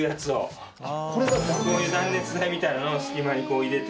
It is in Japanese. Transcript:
こういう断熱材みたいなのを隙間に入れて。